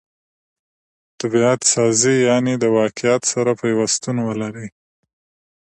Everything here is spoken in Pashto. طبعت سازي؛ یعني د واقعیت سره پیوستون ولري.